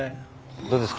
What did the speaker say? どうですか？